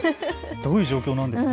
どういう状況なんですかね。